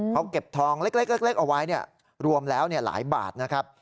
เขาเก็บทองเล็กเอาไว้รวมแล้วหลายบาทนะครับ